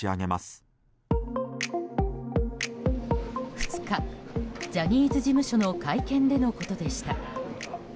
２日、ジャニーズ事務所の会見でのことでした。